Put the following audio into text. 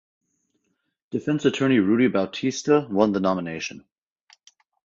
Defense attorney Rudy Bautista won the nomination.